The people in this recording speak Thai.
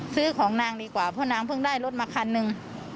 ซื้อของนางดีกว่าเพราะนางเพิ่งได้รถมาคันหนึ่ง